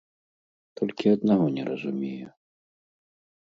Толькі аднаго не разумею.